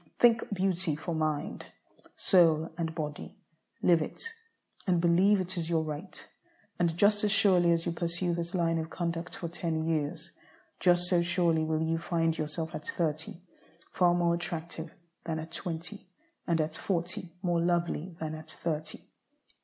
Think beauty for mind, soul, and body; live it, and believe it is your right. And just as surely as you pursue this line of conduct for ten years, just so surely will you find yourself at thirty far more attractive than at twenty, and at forty more lovely than at thirty.